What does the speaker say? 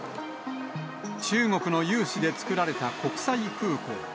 中国の融資で作られた国際空港。